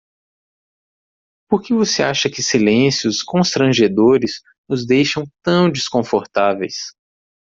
Por que você acha que silêncios constrangedores nos deixam tão desconfortáveis?